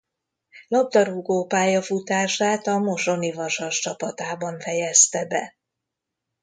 Labdarúgó pályafutását a Mosoni Vasas csapatában fejezte be.